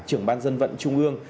trưởng ban dân vận trung ương